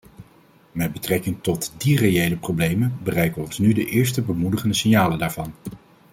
Met betrekking tot die reële problemen bereiken ons nu de eerste bemoedigende signalen daarvandaan.